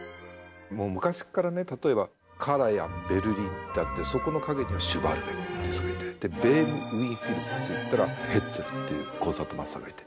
もう昔っからね例えばカラヤンベルリンってあってそこの陰にはシュヴァルベっていう人がいてベームウィーン・フィルっていったらヘッツェルっていうコンサートマスターがいて。